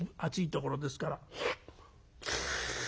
ところですから」。